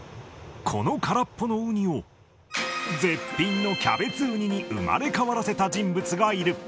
この空っぽのウニを、絶品のキャベツウニに生まれ変わらせた人物がいる。